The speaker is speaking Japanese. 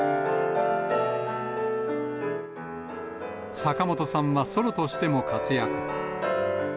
坂本さんはソロとしても活躍。